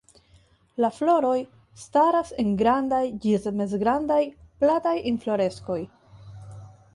La floroj staras en grandaj ĝis mezgrandaj, plataj infloreskoj.